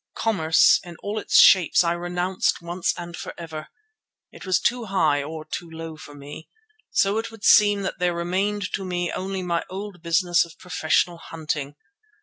Commerce in all its shapes I renounced once and for ever. It was too high—or too low—for me; so it would seem that there remained to me only my old business of professional hunting.